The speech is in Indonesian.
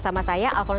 tau tidak pak alfons